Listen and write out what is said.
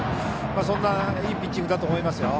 そんないいピッチングだと思いますよ。